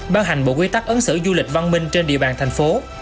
ban hành bộ quy tắc ấn sử du lịch văn minh trên địa bàn thành phố